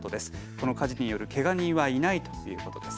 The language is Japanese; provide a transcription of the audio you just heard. この火事によるけが人はいないということです。